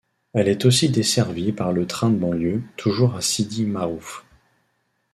Elle est aussi desservie par le train de banlieue, toujours à Sidi Maârouf.